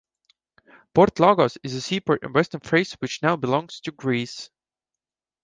Port Lagos is a seaport in Western Thrace which now belongs to Greece.